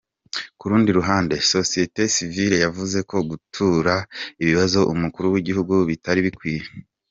Ku rundi ruhande, Sosiyete sivile yavuze ko gutura ibibazo umukuru w’igihugu bitari bikwiye.